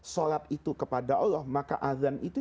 sholat itu kepada allah maka azan itu